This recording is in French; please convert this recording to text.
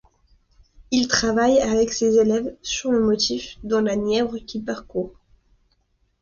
Il travaille avec ses élèves sur le motif, dans la Nièvre qu'ils parcourent.